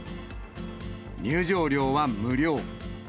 入場料は無料。